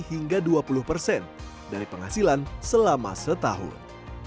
hingga dua puluh persen dari penghasilan selama setahun